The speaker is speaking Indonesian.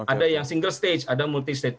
ada yang single stage ada multi stage